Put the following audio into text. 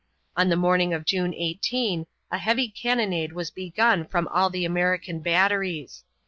On the morning of June 18 a heavy cannonade was begun from all the American batteries.